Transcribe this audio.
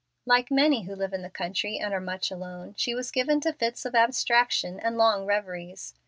Like many who live in the country and are much alone, she was given to fits of abstraction and long reveries.